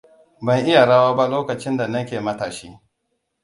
Ban iya rawa ba lokacin da nake matashi.